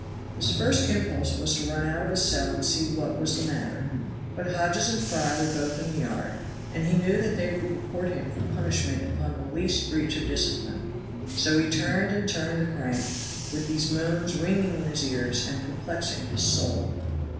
His first impulse was to run out of his cell and see what was the matter, but Hodges and Fry were both in the yard, and he knew that they would report him for punishment upon the least breach of discipline. So he turned and turned the crank, with these moans ringing in his ears and perplexing his soul.